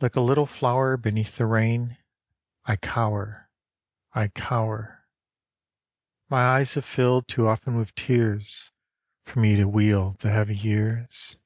Like a little flower Beneath the rain I cower I cower. My eyes have filled Too often with tears For me to wield The heavy years.